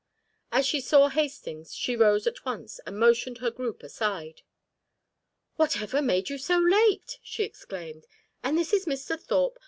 As she saw Hastings, she rose at once and motioned her group aside. "Whatever made you so late?" she exclaimed. "And this is Mr. Thorpe?